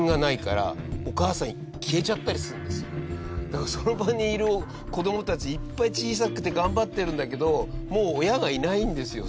だからその場にいる子供たちいっぱい小さくて頑張ってるんだけどもう親がいないんですよ